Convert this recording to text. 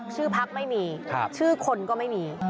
ชื่อพักไม่มีชื่อคนก็ไม่มี